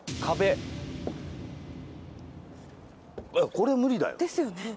これ無理だよ。ですよね。